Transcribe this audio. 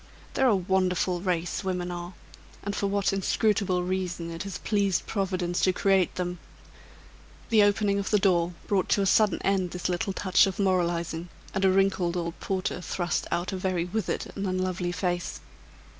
They're a wonderful race women are; and for what Inscrutable reason it has pleased Providence to create them " The opening of the door brought to a sudden end this little touch of moralizing, and a wrinkled old porter thrust out a very withered and unlovely face.